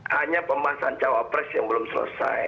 hanya pembahasan cawapres yang belum selesai